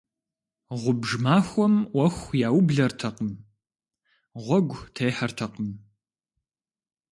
Гъубж махуэм Ӏуэху яублэртэкъым, гъуэгу техьэртэкъым.